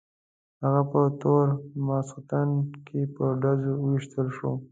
هغه په تور ماخستن کې په ډزو وویشتل شو.